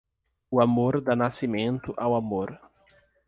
O amor dá nascimento ao amor.